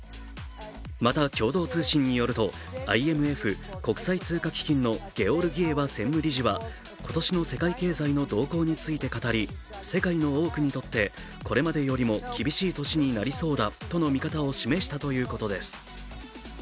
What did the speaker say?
また共同通信によるとＩＭＦ＝国際通貨基金のゲオルギエワ専務理事は今年の世界経済の動向について語り、世界の多くにとってこれまでよりも厳しい年になりそうだｓとの見方を示したということです。